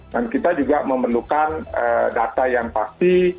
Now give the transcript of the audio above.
dan kita juga memerlukan data yang pasti